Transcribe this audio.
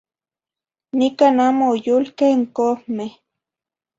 Nican amo oyolqueh n cohmeh